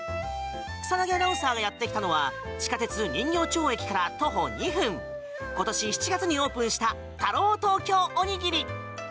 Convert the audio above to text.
草薙アナウンサーがやってきたのは地下鉄人形町駅から徒歩２分今年７月にオープンしたＴＡＲＯＴＯＫＹＯＯＮＩＧＩＲＩ。